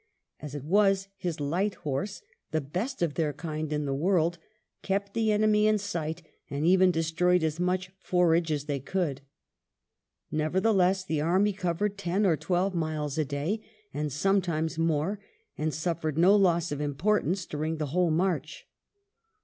As it was, his light horse, " the best of their kind in the world," kept the enemy in sight and even destroyed as much forage as they could. Nevertheless the army covered ten or twelve miles a day, and sometimes more, and suffered no loss of importance during the whole march.